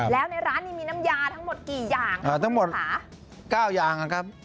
แล้วในร้านนี้มีน้ำยาทั้งหมดกี่อย่างทั้งหมดค่ะเก้าอย่างนะครับ